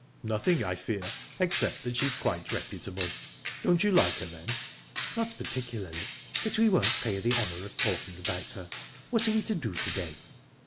"Nothing, I fear, except that she's quite reputable...Don't you like her, then?" "Not particularly but we won't pay her the honour of talking about her...What are we to do to day?"